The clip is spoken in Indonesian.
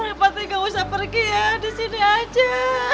noreva tidak usah pergi ya disini aja